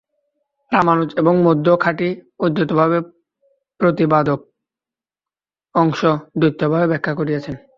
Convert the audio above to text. রামানুজ এবং মধ্বও খাঁটি অদ্বৈতভাব-প্রতিপাদক অংশ দ্বৈতভাবে ব্যাখ্যা করিয়াছেন।